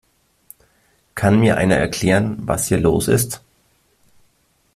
Kann mir einer erklären, was hier los ist?